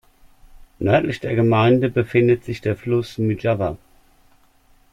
Nördlich der Gemeinde befindet sich der Fluss Myjava.